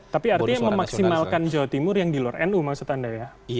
tapi artinya memaksimalkan jawa timur yang di luar nu maksud anda ya